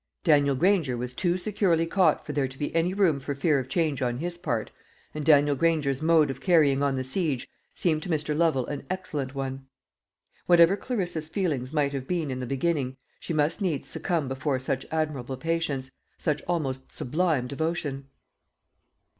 Daniel Granger was too securely caught for there to be any room for fear of change on his part, and Daniel Granger's mode of carrying on the siege seemed to Mr. Lovel an excellent one. Whatever Clarissa's feelings might have been in the beginning, she must needs succumb before such admirable patience, such almost sublime devotion.